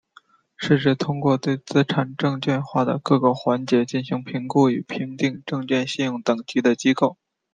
是指通过对资产证券化的各个环节进行评估而评定证券信用等级的机构。